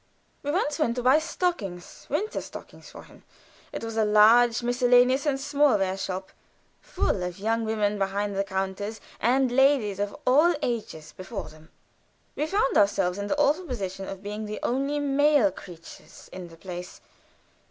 We once went to buy stockings winter stockings for him; it was a large miscellaneous and smallware shop, full of young women behind the counters and ladies of all ages before them. We found ourselves in the awful position of being the only male creatures in the place.